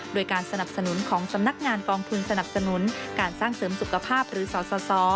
โดยการสนับสนุนของสำนักงานกองทุนสนับสนุนการสร้างเสริมสุขภาพหรือสส